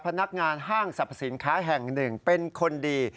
พนักงานห้างสรรพสินค้าแห่งหนึ่งเป็นคนดี